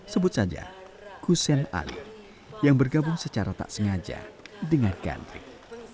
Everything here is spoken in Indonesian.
sebut saja hussein ali yang bergabung secara tak sengaja dengan gandrik